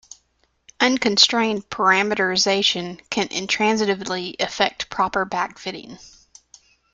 Unconstrained parameterization can intransitively affect proper backfitting.